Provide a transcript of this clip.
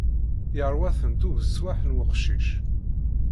Yerwa-tent ugeswaḥ n weqcic!